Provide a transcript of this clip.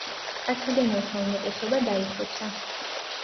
კართაგენელთა უმეტესობა დაიხოცა.